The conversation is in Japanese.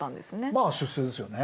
まあ出世ですよね。